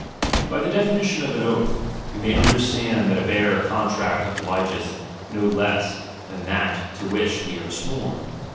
By the definition of an oath, we may under swEarmBsii stand that a bare contract obligeth no less, than J^u^lonw that to which we are sworn.